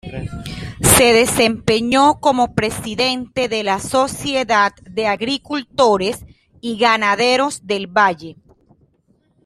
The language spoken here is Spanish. Se desempeñó como presidente de la Sociedad de Agricultores Y Ganaderos del Valle.